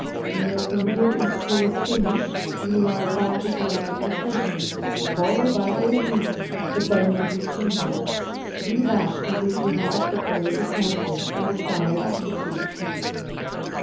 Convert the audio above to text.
When your career in school is finished, and you are about to select a profession, follow by all means the bent of your genius. Do that for which you have the greatest natural or acquired aptitude.